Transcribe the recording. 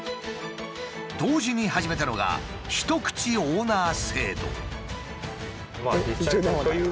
同時に始めたのが一口オーナー制度。